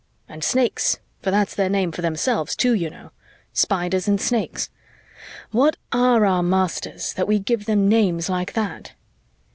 And Snakes, for that's their name for themselves too, you know. Spiders and Snakes. What are our masters, that we give them names like that?"